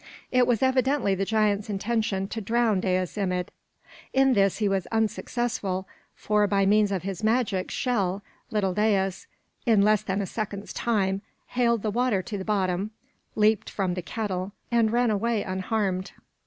It was evidently the giant's intention to drown Dais Imid. In this he was unsuccessful, for by means of his magic shell, little Dais, in less than a second's time, hailed the water to the bottom, leaped from the kettle, and ran away unharmed.